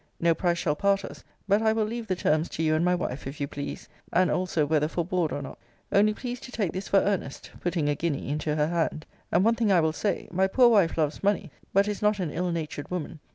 No price shall part us but I will leave the terms to you and my wife, if you please. And also whether for board or not. Only please to take this for earnest, putting a guinea into her hand and one thing I will say; my poor wife loves money; but is not an ill natured woman.